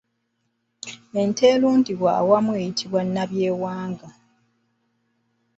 Ente erundirwa awamu eyitibwa nabyewanga.